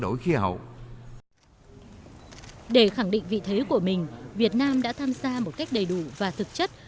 để khẳng định vị thế của mình việt nam đã tham gia một cách đầy đủ và thực chất